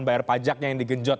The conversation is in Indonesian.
bayar pajak yang digenjot